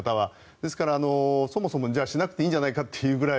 ですから、そもそもしなくていいんじゃないかっていうぐらい